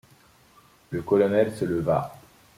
Le colonel se leva.